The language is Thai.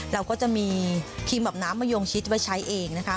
เราก็จะมีครีมแบบน้ำมะยงชิดไว้ใช้เองนะคะ